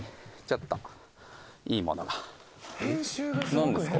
何ですか？